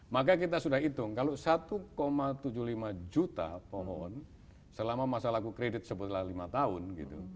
maka kita sudah hitung kalau satu tujuh puluh lima juta pohon selama masa laku kredit sebutlah lima tahun